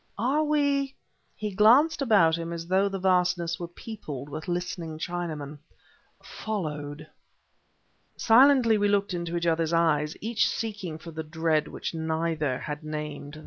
"Are we" he glanced about him as though the vastness were peopled with listening Chinamen "followed?" Silently we looked into one another's eyes, each seeking for the dread which neither had named.